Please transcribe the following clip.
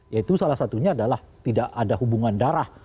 yaitu salah satunya adalah tidak ada hubungan darah